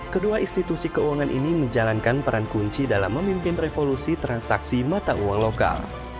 kedua institusi keuangan ini menjalankan peran kunci dalam memimpin revolusi transaksi mata uang lokal